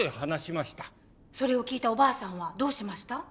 それを聞いたおばあさんはどうしました？